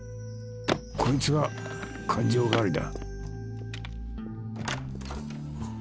こいつが勘定代わりだ。